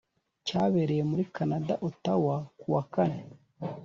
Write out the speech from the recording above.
cyabereye muri canada ottawa kuwa kane